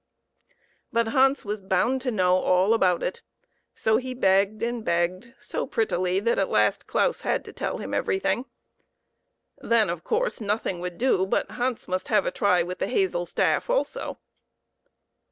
But Hans was bound to know all about it, so he begged and begged so prettily that at last Claus had to tell him everything. Then, of course, nothing would do but Hans must have a try with the hazel staff also.